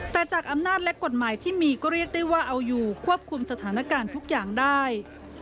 แต่จากอำนาจและกฎหมายที่มีก็เรียกได้ว่าเอาอยู่ควบคุมสถานการณ์ทุกอย่างได้